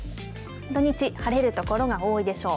土日、晴れる所が多いでしょう。